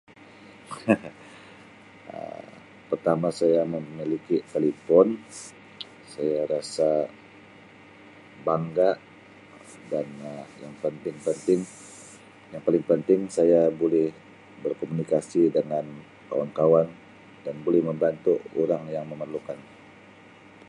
Um Pertama saya memiliki telepon saya rasa bangga dan Um yang penting-penting yang paling penting saya boleh berkomunikasi dengan kawan-kawan dan boleh membantu orang yang memerlukan.